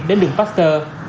đến đường baxter